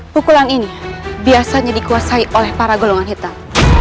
pukulan ini biasanya dikuasai oleh para golongan hitam